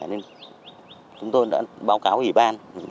nên chúng tôi đã báo cáo ủy ban